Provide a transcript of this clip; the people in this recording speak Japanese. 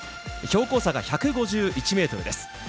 標高差が１５１ｍです。